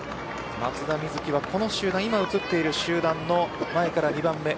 松田瑞生は、この集団今映った集団の前から２番目。